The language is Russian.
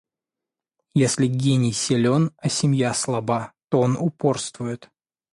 Если гений силен, а семья слаба, то он упорствует.